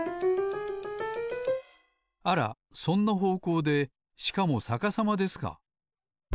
あらそんなほうこうでしかもさかさまですか。